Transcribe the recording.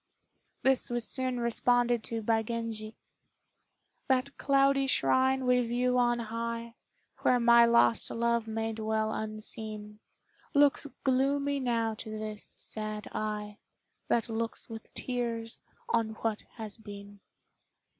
This was soon responded to by Genji: "That cloudy shrine we view on high, Where my lost love may dwell unseen, Looks gloomy now to this sad eye That looks with tears on what has been."